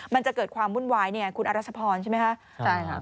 มันจะเกิดความวุ่นวายเนี่ยคุณอรัชพรใช่ไหมคะใช่ค่ะ